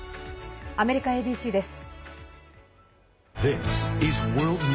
アメリカＡＢＣです。